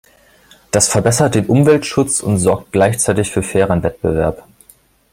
Das verbessert den Umweltschutz und sorgt gleichzeitig für fairen Wettbewerb.